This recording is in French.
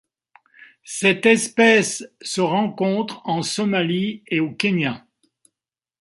Cette espèce se rencontre en Somalie et au Kenya.